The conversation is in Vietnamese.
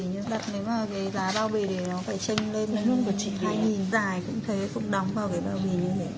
nhưng đặt nếu mà cái giá bao bì thì nó phải chênh lên hai dài cũng thế cũng đóng vào cái bao bì như thế